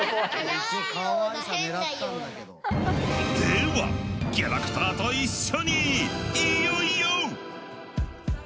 ではキャラクターと一緒にいよいよ！